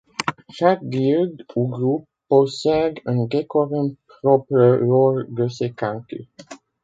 Chaque Guilde ou groupe possède un décorum propre lors de ses cantus.